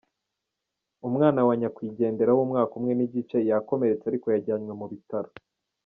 Umwana wa nyakwigendera w’umwaka umwe n’igice we yakomeretse ariko yajyanywe mu bitaro.